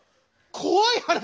怖い話？